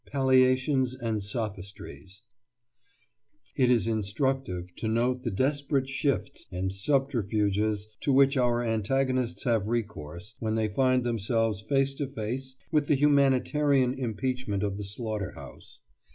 PALLIATIONS AND SOPHISTRIES It is instructive to note the desperate shifts and subterfuges to which our antagonists have recourse when they find themselves face to face with the humanitarian impeachment of the slaughter house.